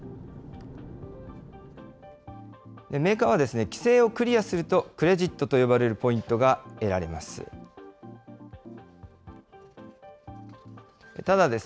メーカーは、規制をクリアするとクレジットと呼ばれるポイントが得られます。